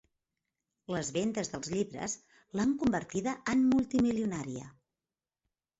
Les vendes dels llibres l'han convertida en multimilionària.